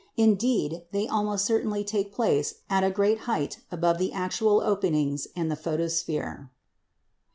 Indeed, they almost certainly take place at a great height above the actual openings in the photosphere.